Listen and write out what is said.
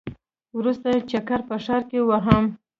وروستی چکر په ښار کې وهم.